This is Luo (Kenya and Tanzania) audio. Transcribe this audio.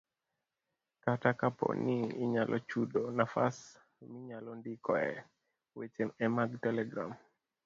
Kata kapo ni inyalo chudo, nafas minyalondikoe weche e mag telegram